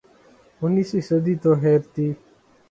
انیسویں صدی تو خیر تھی۔